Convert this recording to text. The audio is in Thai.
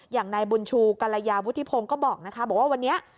อย่างนายบุญชูกรยาวุฒิพงศ์ก็บอกนะคะบอกว่าวันนี้